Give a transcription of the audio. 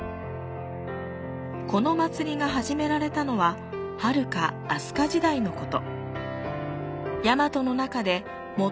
この祭りが始められたのははるか飛鳥時代のこと。